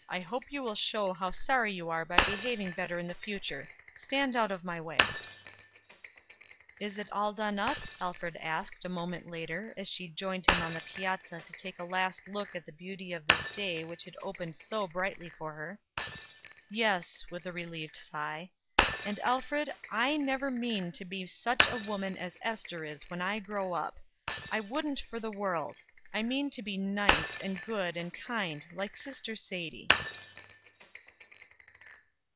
I hope you will show how sorry you are by behaving better in future. Stand out of my way." "Is it all done up?" Alfred asked, a moment later, as she joined him on the piazza to take a last look at the beauty of this day which had opened so brightly for her. "Yes," with a relieved sigh; "and, Alfred, I never mean to be such a woman as Ester is when I grow up. I wouldn't for the world. I mean to be nice, and good, and kind, like sister Sadie."